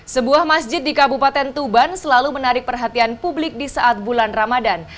sebuah masjid di kabupaten tuban selalu menarik perhatian publik di saat bulan ramadan